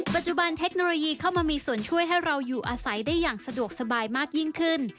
เทคโนโลยีเข้ามามีส่วนช่วยให้เราอยู่อาศัยได้อย่างสะดวกสบายมากยิ่งขึ้น